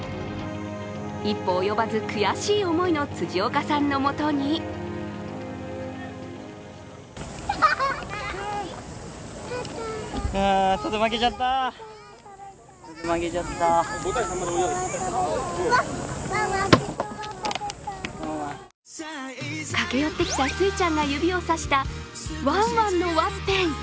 一歩及ばず悔しい思いの辻岡さんのもとに駆け寄ってきた珠衣ちゃんが指をさしたわんわんのワッペン。